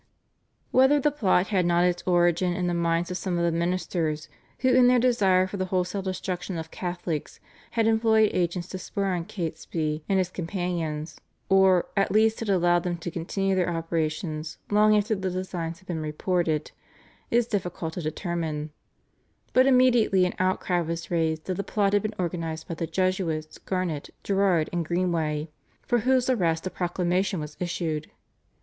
Whether the plot had not its origin in the minds of some of the ministers, who in their desire for the wholesale destruction of Catholics had employed agents to spur on Catesby and his companions, or, at least had allowed them to continue their operations long after the designs had been reported it is difficult to determine; but immediately an outcry was raised that the plot had been organised by the Jesuits Garnet, Gerard, and Greenway, for whose arrest a proclamation was issued.